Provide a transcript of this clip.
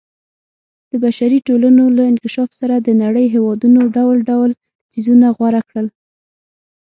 د بشري ټولنو له انکشاف سره د نړۍ هېوادونو ډول ډول څیزونه غوره کړل.